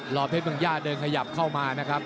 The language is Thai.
อเพชรเมืองย่าเดินขยับเข้ามานะครับ